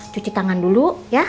cuci tangan dulu ya